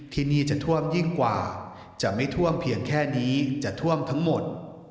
ที่นี่จะท่วมยิ่งกว่าจะไม่ท่วมเพียงแค่นี้จะท่วมทั้งหมด